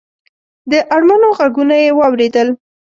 د اړمنو غږونه یې واورېدل.